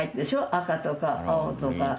赤とか青とか。